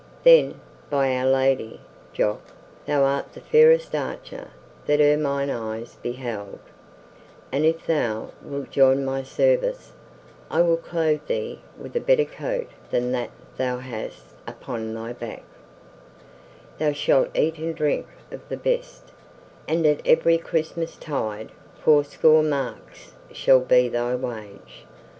"Then, by Our Lady, Jock, thou art the fairest archer that e'er mine eyes beheld, and if thou wilt join my service I will clothe thee with a better coat than that thou hast upon thy back; thou shalt eat and drink of the best, and at every Christmastide fourscore marks shall be thy wage.